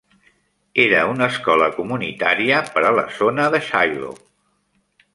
Era una escola comunitària per a la zona de Shiloh.